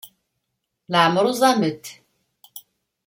Leɛmer uẓament.